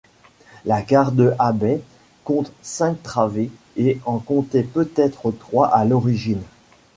La gare de Habay compte cinq travées et en comptait peut-être trois à l’origine.